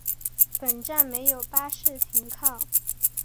本站没有巴士停靠。